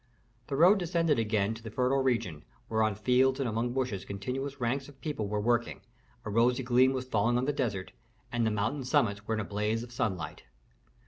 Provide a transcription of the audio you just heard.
The road descended again to the fertile region, where on fields and among bushes continuous ranks of people were working, a rosy gleam was falling on the desert, and the mountain summits were in a blaze of sunlight.